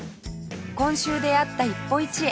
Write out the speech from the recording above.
今週出会った一歩一会